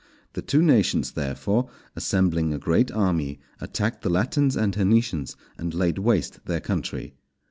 The two nations, therefore, assembling a great army, attacked the Latins and Hernicians and laid waste their country.